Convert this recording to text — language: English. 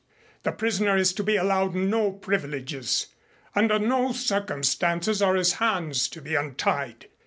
The prisoner is to be allowed no privileges. Under no circumstances are his hands to be untied.